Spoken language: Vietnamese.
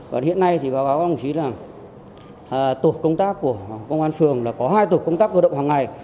và hiện nay thì báo cáo các đồng chí là tổ công tác của công an phường là có hai tổ công tác cơ động hàng ngày